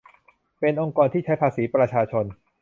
เป็นองค์กรที่ใช้ภาษีประชาชน